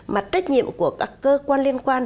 mà trách nhiệm của các cơ quan liên quan